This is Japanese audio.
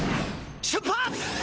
出発！